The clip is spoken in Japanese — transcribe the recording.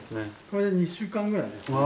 これで２週間ぐらいですね。